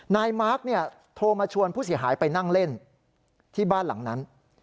นายมาร์คโทรมาชวนผู้เสียหายไปนั่งเล่นที่บ้านหลังนั้น